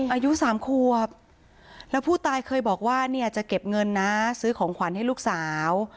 อายุ๓ขวบแล้วผู้ตายเคยบอกว่าเนี่ยจะเก็บเงินนะซื้อของขวัญให้ลูกสาว